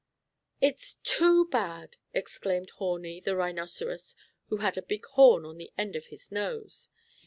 "It's too bad!" exclaimed Horni, the rhinoceros, who had a big horn on the end of his nose.